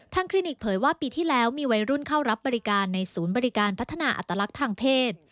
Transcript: คลินิกเผยว่าปีที่แล้วมีวัยรุ่นเข้ารับบริการในศูนย์บริการพัฒนาอัตลักษณ์ทางเพศ